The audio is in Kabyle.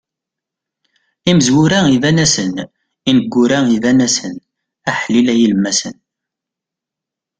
Imezwura iban-asen, ineggura iban-asen, aḥlil a yilemmasen.